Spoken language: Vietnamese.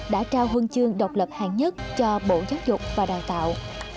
đã trao huân chương độc lập hàng nhất cho bộ giáo dục và đào tạo